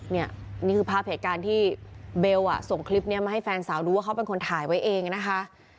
นี่นี่คือภาพเหตุการณ์ที่เบลส่งคลิปนี้มาให้แฟนสาวดูว่าเขาเป็นคนถ่ายไว้เองนะคะ